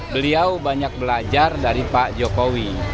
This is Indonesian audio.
beliau banyak belajar dari pak jokowi